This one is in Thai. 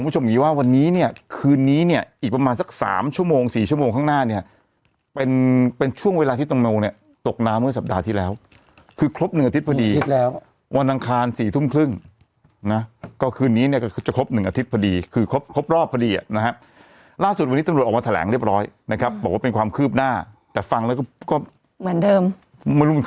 ๔ชั่วโมงข้างหน้าเนี่ยเป็นช่วงเวลาที่ตรงโมงเนี่ยตกน้ำเมื่อสัปดาห์ที่แล้วคือครบหนึ่งอาทิตย์พอดีวันดังคลาน๔ทุ่มครึ่งนะก็คืนนี้เนี่ยก็จะครบหนึ่งอาทิตย์พอดีคือครบรอบพอดีนะฮะล่าสุดวันนี้ตำรวจออกมาแถลงเรียบร้อยนะครับบอกว่าเป็นความคืบหน้าแต่ฟังแล้วก็เหมือนเดิมไม่รู้มั